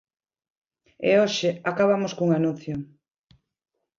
E hoxe acabamos cun anuncio.